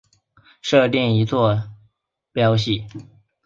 设定一坐标系。